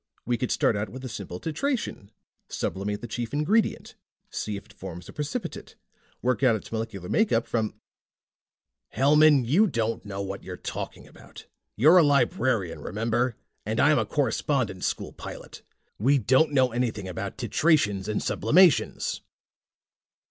We could start out with a simple titration, sublimate the chief ingredient, see if it forms a precipitate, work out its molecular makeup from " "Hellman, you don't know what you're talking about. You're a librarian, remember? And I'm a correspondence school pilot. We don't know anything about titrations and sublimations."